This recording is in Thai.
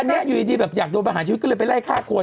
อันนี้อยู่ดีแบบอยากโดนประหารชีวิตก็เลยไปไล่ฆ่าคน